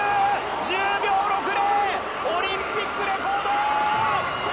１０秒６０、オリンピックレコード！